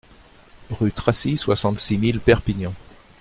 Rue Tracy, soixante-six mille Perpignan